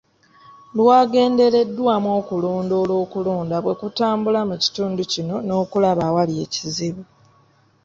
Lwagendereddwamu okulondoola okulonda bwe kutambula mu kitundu kino, n'okulaba awali ekizibu.